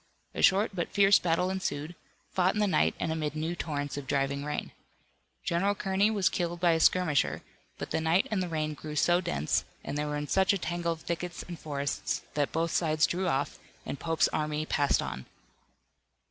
A short but fierce battle ensued, fought in the night and amid new torrents of driving rain. General Kearney was killed by a skirmisher, but the night and the rain grew so dense, and they were in such a tangle of thickets and forests that both sides drew off, and Pope's army passed on.